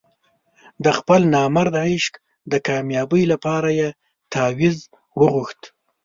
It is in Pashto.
د خپل نامراده عشق د کامیابۍ لپاره یې تاویز وغوښت.